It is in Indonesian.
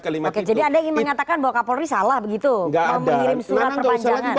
kalimat itu jadi ada yang menyatakan bahwa kapolri salah begitu nggak ada masalah lebih